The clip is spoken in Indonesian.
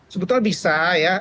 sebetulnya bisa ya